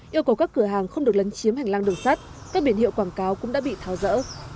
yêu cầu các cửa hàng không được lấn chiếm hành lang đường sắt các biển hiệu quảng cáo cũng đã bị tháo rỡ